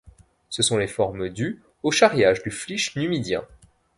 Ce sont des formes dues au charriage du flysch numidien.